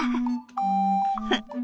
フフッ